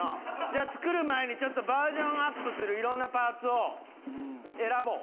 じゃあ作る前にちょっとバージョンアップする色んなパーツを選ぼう。